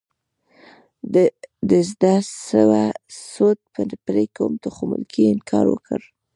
د زده سود به پرې کوم خو ملکې انکار وکړ.